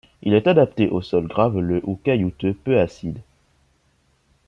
Il est adapté aux sols graveleux ou caillouteux peu acides.